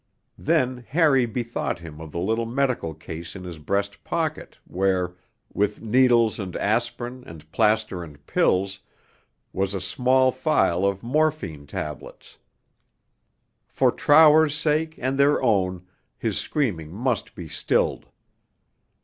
Then Harry bethought him of the little medical case in his breast pocket where, with needles and aspirin and plaster and pills, was a small phial of morphine tablets. For Trower's sake and their own, his screaming must be stilled.